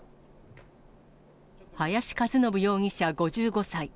林和伸容疑者５５歳。